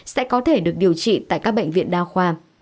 sẽ có thể được điều trị tại các bệnh viện đa khoa